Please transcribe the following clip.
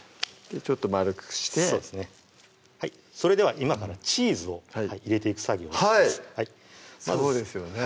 ちょっと丸くしてそれでは今からチーズを入れていく作業をしますそうですよね